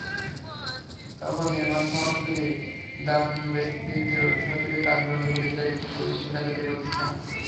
তখন নির্মাণসামগ্রীর দাম বৃদ্ধির অজুহাত তুলে কাজ বন্ধ করে দেয় ঠিকাদারি প্রতিষ্ঠান।